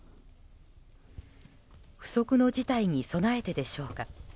不測の事態に備えてでしょうか。